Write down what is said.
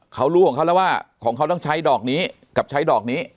เขารู้ของเขาแล้วว่าของเขาต้องใช้ดอกนี้กับใช้ดอกนี้